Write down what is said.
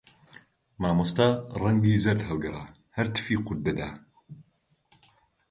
مامۆستا ڕەنگی زەرد هەڵگەڕا، هەر تفی قووت دەدا